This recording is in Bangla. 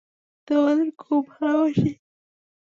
তোমাদের খুব ভালবাসি।